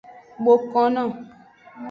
Bokono.